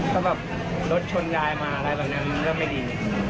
ถ้าแบบรถชนยายมาอะไรแบบนี้มันก็ไม่ดี